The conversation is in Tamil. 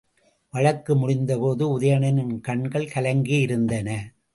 வழக்கு முடிந்தபோது உதயணனின் கண்கள் கலங்கியிருந்தன.